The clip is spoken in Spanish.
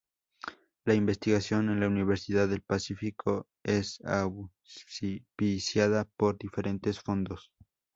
La investigación en la Universidad del Pacífico es auspiciada por diferentes fondos.